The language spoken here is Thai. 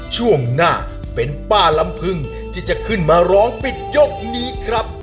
ช่วงหน้าเป็นป้าลำพึงที่จะขึ้นมาร้องปิดยกนี้ครับ